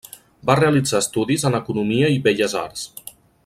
Va realitzar estudis en Economia i Belles Arts.